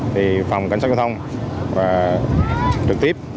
thì phòng cảnh sát giao thông và trực tiếp